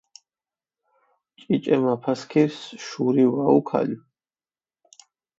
ჭიჭე მაფასქირს შური ვაუქალჷ.